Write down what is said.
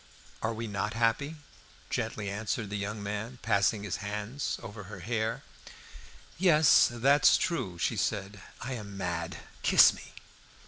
"Are we not happy?" gently answered the young man passing his hands over her hair. "Yes, that is true," she said. "I am mad. Kiss me!"